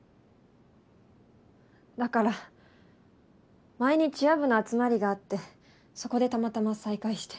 だから前にチア部の集まりがあってそこでたまたま再会して。